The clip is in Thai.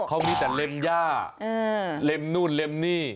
เขามีแต่เล็มย่าเล็มนู่นเล็มนี่